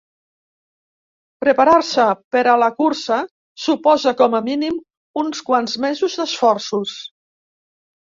Preparar-se per a la cursa suposa com a mínim uns quants mesos d'esforços.